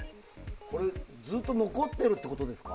ずっと残っているってことですか？